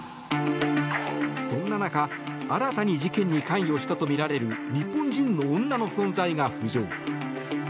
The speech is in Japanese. そんな中、新たに事件に関与したとみられる日本人の女の存在が浮上。